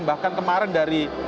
bahkan kemarin dari